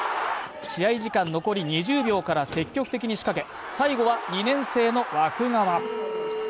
試合時間残り２０秒から積極的に仕掛け最後は２年生の湧川。